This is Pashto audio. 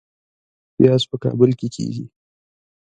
پیاز په کابل کې کیږي